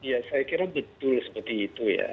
ya saya kira betul seperti itu ya